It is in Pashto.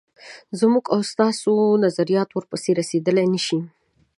زموږ او ستاسو نظریات ورپسې رسېدلای نه شي.